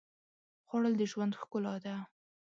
خوړل د ژوند ښکلا ده